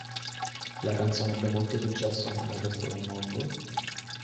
La canzone ebbe molto successo anche nel resto del mondo.